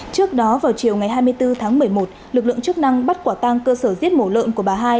trước đó vào chiều ngày hai mươi bốn tháng một mươi một lực lượng chức năng bắt quả tang cơ sở giết mổ lợn của bà hai